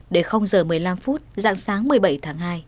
để h một mươi năm dạng sáng một mươi bảy tháng hai